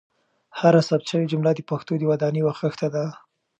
هره ثبت شوې جمله د پښتو د ودانۍ یوه خښته ده.